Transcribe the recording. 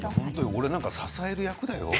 俺なんか支える役だよ？